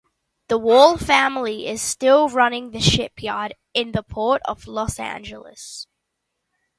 The Wall family is still running the shipyard in the Port of Los Angeles.